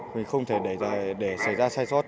mình không thể để xảy ra sai sót